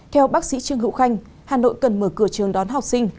theo bác sĩ trương hữu khanh hà nội cần mở cửa trường đón học sinh